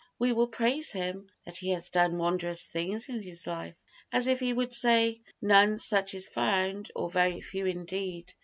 We will praise him, that he has done wondrous things in his life." As if he would say: "None such is found, or very few indeed."